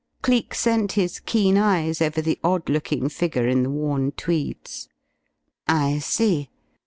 Cleek sent his keen eyes over the odd looking figure in the worn tweeds. "I see.